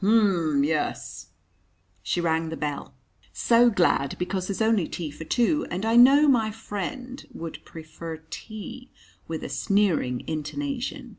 "M' yes." She rang the bell. "So glad because there's only tea for two, and I know my friend would prefer tea," with a sneering intonation.